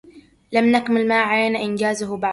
لم نكمل ما علينا إنجازه بعد.